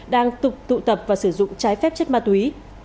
đang tục tụ tập và sử dụng trái phép chất ma túy